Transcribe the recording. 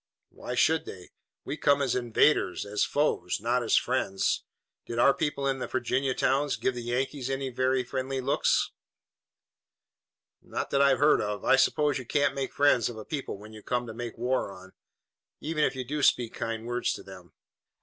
"Why should they? We come as invaders, as foes, not as friends. Did our people in the Virginia towns give the Yankees any very friendly looks?" "Not that I've heard of. I suppose you can't make friends of a people whom you come to make war on, even if you do speak kind words to them."